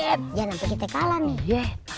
jangan sampe kita kalah nih